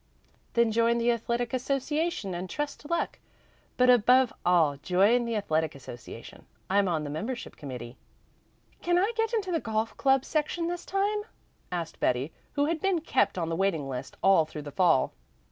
"Then join the Athletic Association and trust to luck, but above all join the Athletic Association. I'm on the membership committee." "Can I get into the golf club section this time?" asked Betty, who had been kept on the waiting list all through the fall.